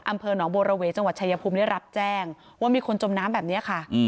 อำเภอหนองบัวระเวจังหวัดชายภูมิได้รับแจ้งว่ามีคนจมน้ำแบบนี้ค่ะ